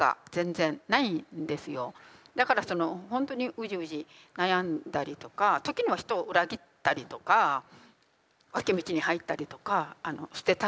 だからそのほんとにうじうじ悩んだりとか時には人を裏切ったりとか脇道に入ったりとか捨てたりとか。